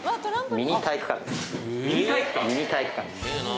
ミニ体育館です。